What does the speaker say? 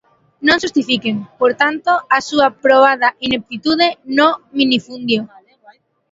Non xustifiquen, por tanto, a súa probada ineptitude no minifundio.